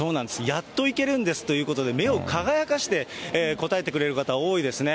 やっと行けるんですということで、目を輝かせて答えてくれる方多いですね。